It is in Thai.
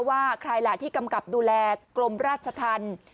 ว่าใครล่ะที่กำกับดูแลกรมราชธรรม